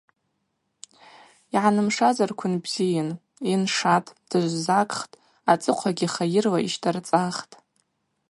Йгӏанымшазарквын бзийын – йыншатӏ, дыжвзакхтӏ, ацӏыхъвагьи хайырла йщтӏарцӏахтӏ.